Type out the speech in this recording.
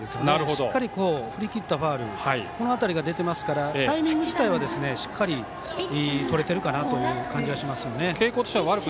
しっかり、振り切ったファウルこの辺りが出てますからタイミング自体はしっかりとれているかなという感じがしますよね。